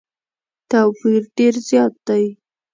توپیر ډېر زیات دی.